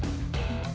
ada telepon buat kamu